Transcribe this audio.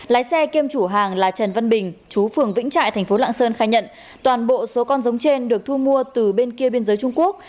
lái xe kiêm chủ hàng là trần văn bình chú phường vĩnh trại thành phố lạng sơn khai nhận toàn bộ số con giống trên được thu mua từ bên kia biên giới trung quốc